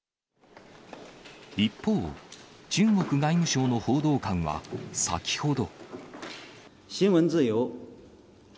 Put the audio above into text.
一方、中国外務省の報道官は、先ほど。